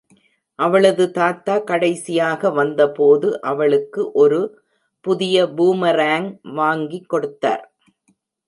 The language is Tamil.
அவளது தாத்தா கடைசியாக வந்தபோது அவளுக்கு ஒரு புதிய பூமராங் வாங்கி கொடுத்தார்.